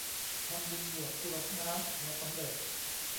ทำบุญบวช กรวดน้ำ ขอสำเร็จ